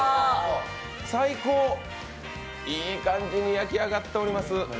最高、いい感じに焼き上がっております。